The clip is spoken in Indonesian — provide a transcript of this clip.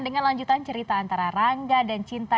dengan lanjutan cerita antara rangga dan cinta